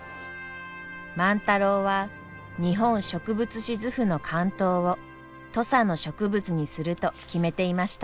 万太郎は「日本植物志図譜」の巻頭を土佐の植物にすると決めていました。